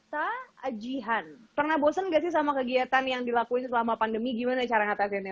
tajihan pernah bosen gak sih sama kegiatan yang dilakuin selama pandemi gimana cara ngatasinnya